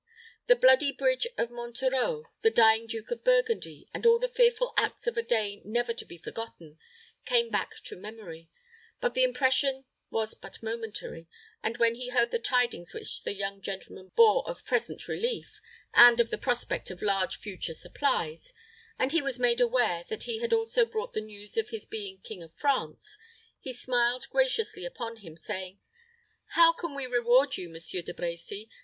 The bloody bridge of Monterreau, the dying Duke of Burgundy, and all the fearful acts of a day never to be forgotten, came back to memory; but the impression was but momentary; and when he heard the tidings which the young gentleman bore of present relief, and of the prospect of large future supplies, and was made aware that he had also brought the news of his being King of France, he smiled graciously upon him, saying, "How can we reward you, Monsieur De Brecy?